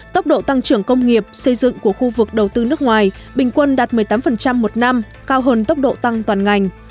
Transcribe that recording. tốc độ tăng trưởng công nghiệp xây dựng của khu vực đầu tư nước ngoài bình quân đạt một mươi tám một năm cao hơn tốc độ tăng toàn ngành